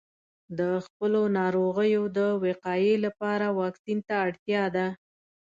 د خپلو ناروغیو د وقایې لپاره واکسین ته اړتیا ده.